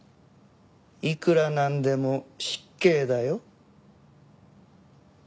いくらなんでも失敬だよ。